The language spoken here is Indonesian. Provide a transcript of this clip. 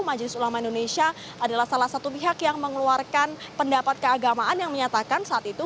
majelis ulama indonesia adalah salah satu pihak yang mengeluarkan pendapat keagamaan yang menyatakan saat itu